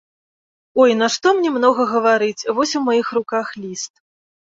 Ой, нашто мне многа гаварыць, вось у маіх руках ліст.